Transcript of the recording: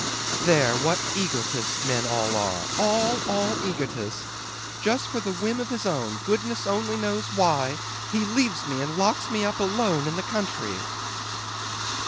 "There, what egotists men all are: all, all egotists! Just for a whim of his own, goodness only knows why, he leaves me and locks me up alone in the country."